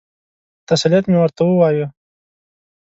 تسلیت مې ورته ووایه.